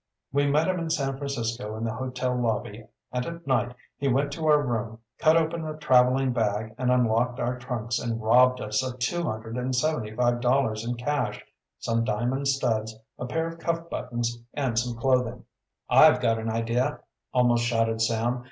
We met him in San Francisco in the hotel lobby and at night he went to our room, cut open a traveling bag and unlocked our trunks and robbed us of two hundred and seventy five dollars in cash, some diamond studs, a pair of cuff buttons, and some clothing." "I've got an idea!" almost shouted Sam.